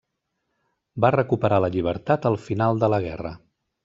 Va recuperar la llibertat al final de la guerra.